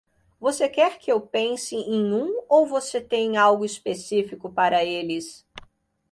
Você quer que eu pense em um ou você tem algo específico para eles?